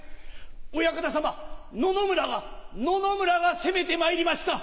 お屋形さま野々村が野々村が攻めてまいりました。